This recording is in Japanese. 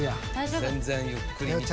全然ゆっくり見てみ。